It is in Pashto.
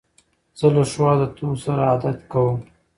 زه له ښو عادتو سره عادت کوم.